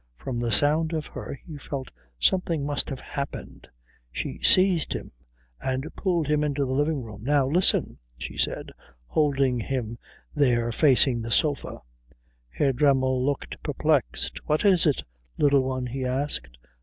From the sound of her he felt something must have happened. She seized him and pulled him into the living room. "Now listen," she said, holding him there facing the sofa. Herr Dremmel looked perplexed. "What is it, Little One?" he asked.